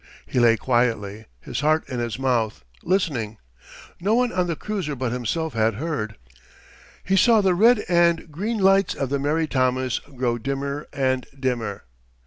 He lay quietly, his heart in his mouth, listening. No one on the cruiser but himself had heard. He saw the red and green lights of the Mary Thomas grow dimmer and dimmer.